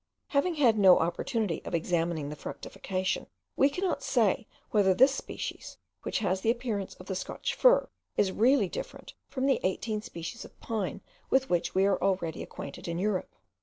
Having had no opportunity of examining the fructification, we cannot say whether this species, which has the appearance of the Scotch fir, is really different from the eighteen species of pines with which we are already acquainted in Europe.